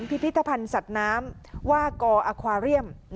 พิพิธภัณฑ์สัตว์น้ำว่ากอควาเรียม